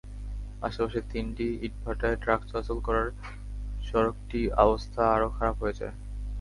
আশপাশের তিনটি ইটভাটায় ট্রাক চলাচল করায় সড়কটি অবস্থা আরও খারাপ হয়ে যায়।